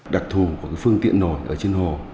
đặc thù của phương tiện nổi ở trên hồ